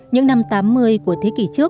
những năm tám mươi của thế kỷ trước